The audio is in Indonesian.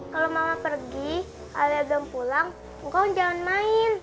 kalau mama pergi alia belum pulang engkau jangan main